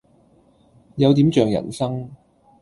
有點像人生